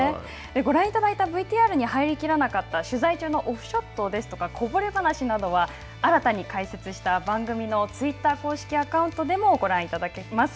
ご覧いただいたＶＴＲに入りきらなかった取材中のオフショットですとかこぼれ話などは新たに開設した番組のツイッター、公式アカウントでもご覧いただけます。